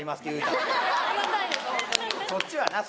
そっちはな